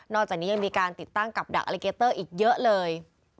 จากนี้ยังมีการติดตั้งกับดักอลิเกเตอร์อีกเยอะเลย